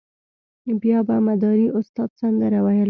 بیا به مداري استاد سندره ویله.